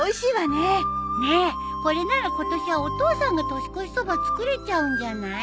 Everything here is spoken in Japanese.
ねえこれなら今年はお父さんが年越しそば作れちゃうんじゃない？